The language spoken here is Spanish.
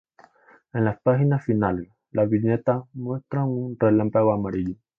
En las páginas finales, las viñetas muestran un relámpago amarillo.